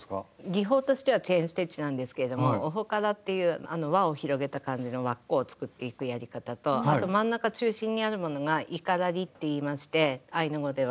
技法としてはチェーン・ステッチなんですけども「オホカラ」っていう輪を広げた感じの輪っかを作っていくやり方とあと真ん中中心にあるものが「イカラリ」っていいましてアイヌ語では。